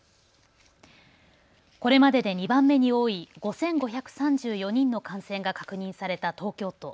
これまでで２番目に多い５５３４人の感染が確認された東京都。